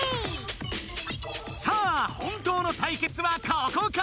さあ本当の対決はここから！